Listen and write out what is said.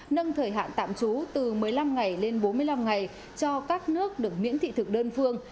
nâng thời hạn tạm trú từ một mươi năm ngày lên bốn mươi năm ngày cho các nước được miễn thị thực đơn phương